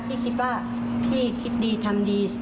พี่คิดว่าพี่คิดดีทำดี